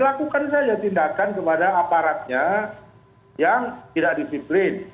lakukan saja tindakan kepada aparatnya yang tidak disiplin